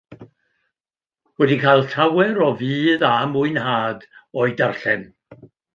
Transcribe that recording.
Wedi cael llawer o fudd a mwynhad o'i darllen.